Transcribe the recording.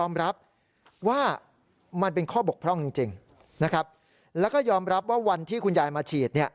ว่ามันเป็นข้อบกพร่องจริงนะครับแล้วก็ยอมรับว่าวันที่คุณยายมาฉีดเนี่ย